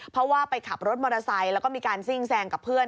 เพราะว่าไปขับรถมอเตอร์ไซค์แล้วก็มีการซิ่งแซงกับเพื่อน